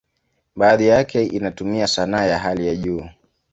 Baadhi yake inatumia sanaa ya hali ya juu.